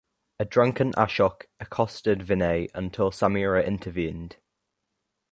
A drunken Ashok accosted Vinay until Sameera intervened.